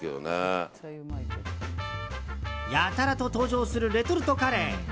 やたらと登場するレトルトカレー。